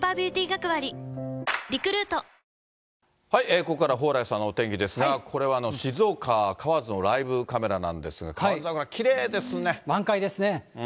ここからは蓬莱さんのお天気ですが、これは静岡・河津のライブカメラなんですが、河津桜がきれいです満開ですね。